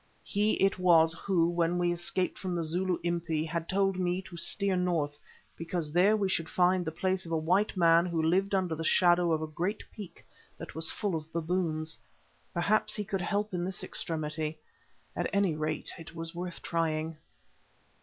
He it was who, when we escaped from the Zulu Impi, had told me to steer north, because there we should find the place of a white man who lived under the shadow of a great peak that was full of baboons. Perhaps he could help in this extremity—at any rate it was worth trying.